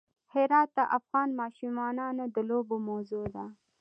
هرات د افغان ماشومانو د لوبو موضوع ده.